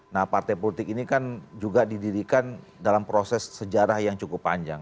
nah partai politik ini kan juga didirikan dalam proses sejarah yang cukup panjang